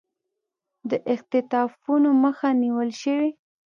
د اختطافونو مخه نیول شوې